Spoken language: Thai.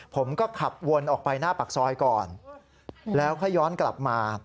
ผมก็ขับวนออกไปหน้าปากซอยก่อนแล้วค่อยย้อนกลับมา